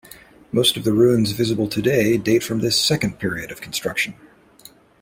Most of the ruins visible today date from this second period of construction.